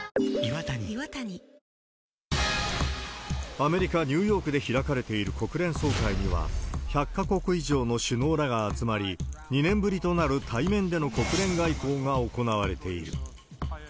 アメリカ・ニューヨークで開かれている国連総会には、１００か国以上の首脳らが集まり、２年ぶりとなる対面での国連外交が行われている。